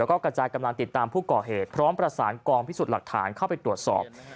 แล้วก็กระจายกำลังติดตามผู้ก่อเหตุพร้อมประสานกองพิสูจน์หลักฐานเข้าไปตรวจสอบ